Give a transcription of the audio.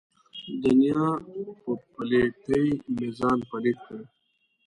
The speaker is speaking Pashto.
دنیا په پلیتۍ مې ځان پلیت کړ.